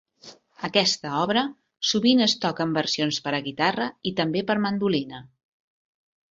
Aquesta obra sovint es toca en versions per a guitarra i també per mandolina.